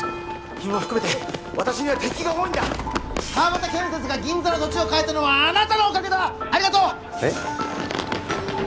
君も含めて私には敵が多いんだ川端建設が銀座の土地を買えたのはあなたのおかげだえッ？